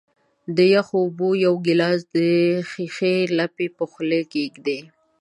د یخو اوبو یو ګیلاس د ښيښې لمپې په خولې کیږدئ.